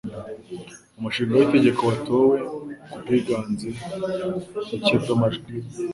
Umushinga w'itegeko watowe ku bwiganze buke bw'amajwi